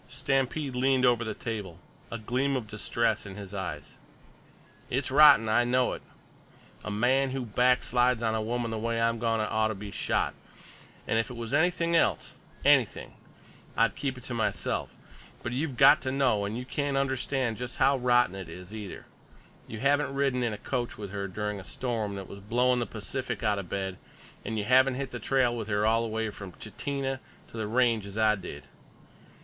Stampede leaned over the table, a gleam of distress in his eyes. "It's rotten. I know it. A man who backslides on a woman the way I'm goin' to oughta be shot, and if it was anything else—anything—I'd keep it to myself. But you've got to know. And you can't understand just how rotten it is, either; you haven't ridden in a coach with her during a storm that was blowing the Pacific outa bed, an' you haven't hit the trail with her all the way from Chitina to the Range as I did.